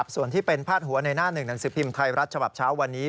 ส่วนที่เป็นพาดหัวในหน้าหนึ่งหนังสือพิมพ์ไทยรัฐฉบับเช้าวันนี้